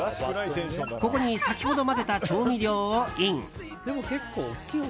ここに先ほど混ぜた調味料をイン。